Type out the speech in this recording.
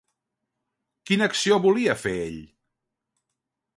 Quina acció volia fer ell?